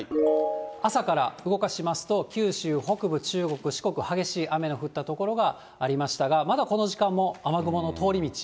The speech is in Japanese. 朝から動かしますと、九州北部、中国、四国、激しい雨の降った所がありましたが、まだこの時間も雨雲の通り道。